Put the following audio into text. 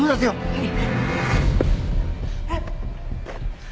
はい。